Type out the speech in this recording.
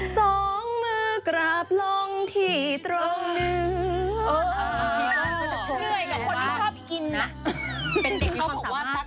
สองมือกราบลองที่ตรงด้วย